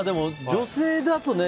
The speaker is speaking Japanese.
女性だとね